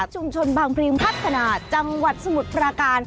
ชุมชนบางพรีมพัฒนาจังหวัดสมุทรปราการ